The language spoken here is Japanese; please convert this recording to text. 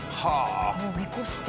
もう見越して。